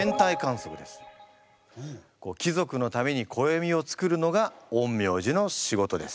貴族のために暦をつくるのが陰陽師の仕事です。